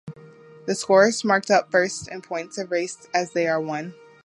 The score is marked up first and points erased as they are won.